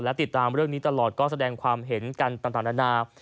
และติดตามเรื่องนี้ตลอดก็แสดงความเห็นกันต่างนานา